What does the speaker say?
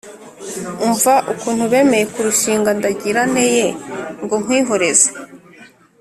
umva ukuntu bemeye kurushingandagira nte yeee, ngo nkwihoreze